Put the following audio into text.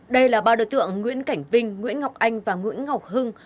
đây là ba đối tượng nguyễn cảnh vinh nguyễn ngọc anh và nguyễn ngọc hưng